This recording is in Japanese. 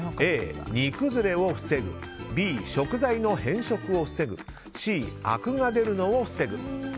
Ａ、煮崩れを防ぐＢ、食材の変色を防ぐＣ、アクが出るのを防ぐ。